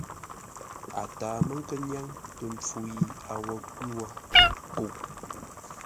A taa mə́ nkə́ nyáŋ tə mpfu yi a wo nkwʉ́ wó kuʼ.